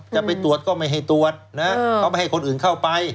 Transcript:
จะไปตรวจก็ไม่ให้ตรวจนะเขาไม่ให้คนอื่นเข้าไป